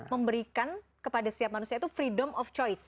memberikan kepada setiap manusia itu freedom of choice